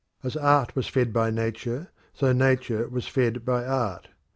As art was fed by nature, so nature was fed by art.